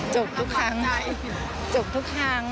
จบทุกครั้งจบทุกครั้ง